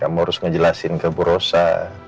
mau harus ngejelasin ke bu rosa